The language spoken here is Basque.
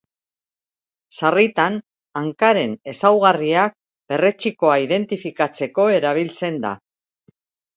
Sarritan hankaren ezaugarriak perretxikoa identifikatzeko erabiltzen da.